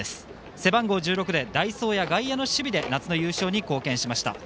背番号１６で代走や外野の守備で夏の優勝に貢献しました。